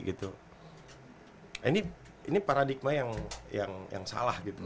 ini paradigma yang salah